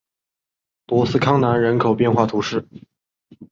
博斯康南人口变化图示